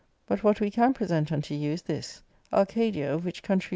But what we can pre sent unto you is this : Arcadia, of which country.